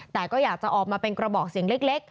แต่ก็อยากจะออกมาเป็นกระบอกเสียงเล็ก